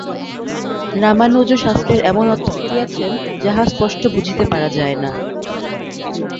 রামানুজও শাস্ত্রের এমন অর্থ করিয়াছেন, যাহা স্পষ্ট বুঝিতে পারা যায় না।